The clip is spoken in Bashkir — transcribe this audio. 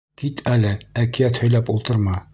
Кит әле, әкиәт һөйләп ултырма.